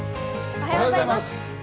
おはようございます。